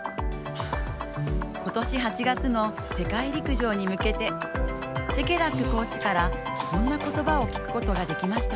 今年８月の世界陸上に向けてシェケラックコーチからこんな言葉を聞くことができました。